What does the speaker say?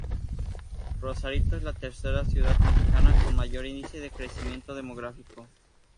Rosarito es la tercera ciudad mexicana con mayor índice de crecimiento demográfico.